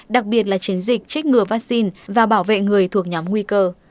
đặc biệt là chiến dịch trích ngừa vaccine và bảo vệ người thuộc nhóm nguy cơ